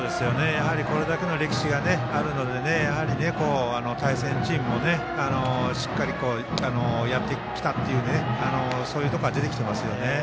これだけの歴史があるので対戦チームもしっかりやってきたというところは出てきていますね。